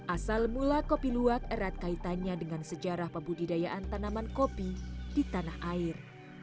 asal mula kopi luwak erat kaitannya dengan sejarah pembudidayaan tanaman kopi di tanah air